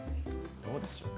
どうでしょう？